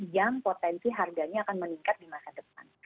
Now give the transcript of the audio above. yang potensi harganya akan meningkat di masa depan